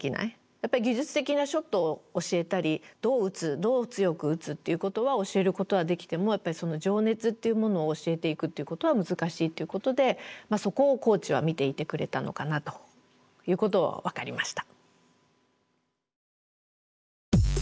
やっぱり技術的なショットを教えたりどう打つどう強く打つっていうことは教えることはできてもやっぱりその情熱っていうものを教えていくっていうことは難しいということでそこをコーチは見ていてくれたのかなということは分かりました。